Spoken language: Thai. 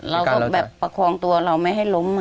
เราก็แบบประคองตัวเราไม่ให้ล้ม